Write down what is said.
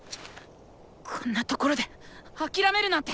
こんなところで諦めるなんて